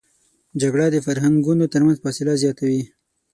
جګړه د فرهنګونو تر منځ فاصله زیاتوي